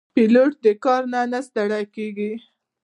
پیلوټ د کار نه ستړی نه کېږي.